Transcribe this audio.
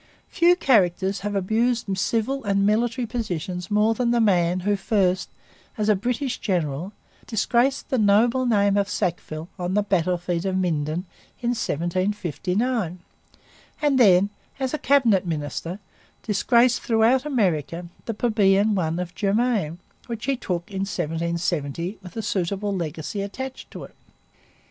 Few characters have abused civil and military positions more than the man who first, as a British general, disgraced the noble name of Sackville on the battlefield of Minden in 1759, and then, as a cabinet minister, disgraced throughout America the plebeian one of Germain, which he took in 1770 with a suitable legacy attached to it.